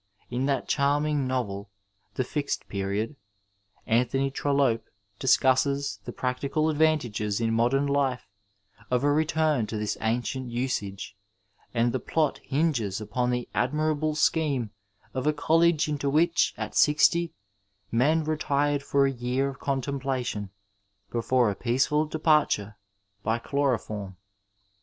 In that charming novel, The Fixed Period, Anthony Trollope discusses the practical advantages in modem life of a return to this ancient usage, and the plot hinges upon the admirable scheme of a college into which at sixty men retired for a year of contemplation before a peace ful departure by chloroform.